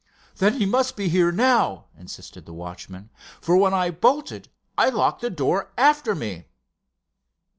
"Then he must be here now," insisted the watchman, "for when I bolted I locked the door after me."